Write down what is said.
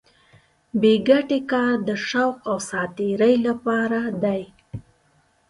بې ګټې کار د شوق او ساتېرۍ لپاره دی.